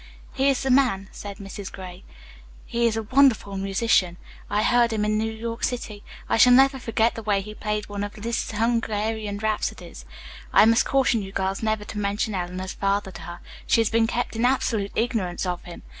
"He is the man," said Mrs. Gray. "He is a wonderful musician. I heard him in New York City. I shall never forget the way he played one of Liszt's 'Hungarian Rhapsodies.' I must caution you, girls, never to mention Eleanor's father to her. She has been kept in absolute ignorance of him.